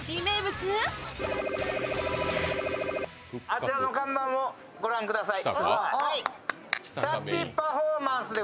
あちらの看板を御覧ください。